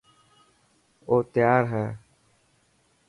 او تيار هي.